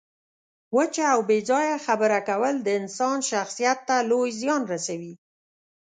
وچه او بې ځایه خبره کول د انسان شخصیت ته لوی زیان رسوي.